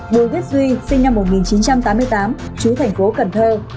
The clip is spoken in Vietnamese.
bùi viết duy sinh năm một nghìn chín trăm tám mươi tám chú thành phố cần thơ